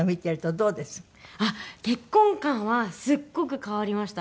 結婚観はすっごく変わりました。